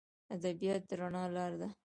ادبیات د رڼا لار ده.